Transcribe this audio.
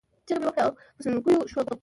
چغې مې وکړې او په سلګیو شوم.